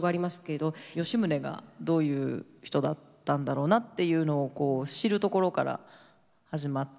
吉宗がどういう人だったんだろうなっていうのを知るところから始まって。